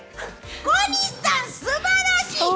小西さん素晴らしい！